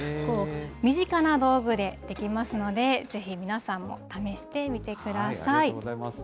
身近な道具でできますので、ぜひ皆さんも試してみてください。